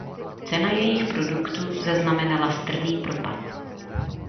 Cena jejich produktů zaznamenala strmý propad.